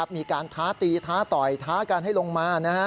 มีการท้าตีท้าต่อยท้ากันให้ลงมา